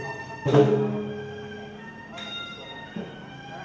สวัสดีครับทุกคน